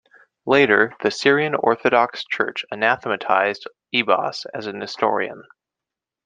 Later, the Syrian Orthodox Church anathematized Ibas as a Nestorian.